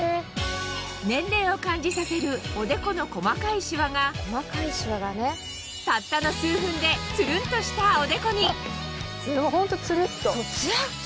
年齢を感じさせるおでこの細かいシワがたったの数分でツルンとしたおでこにホントツルっと。